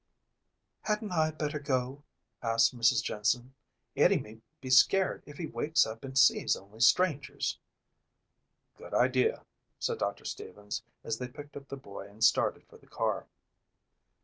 "Hadn't I better go?" asked Mrs. Jensen. "Eddie may be scared if he wakes up and sees only strangers." "Good idea," said Doctor Stevens, as they picked up the boy and started for the car.